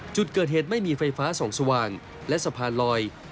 จุดเกิดเหตุไม่มีไฟฟ้าส่องสว่างและสะพานลอย